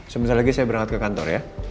sebentar lagi saya berangkat ke kantor ya